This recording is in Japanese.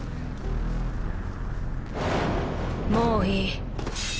もういい。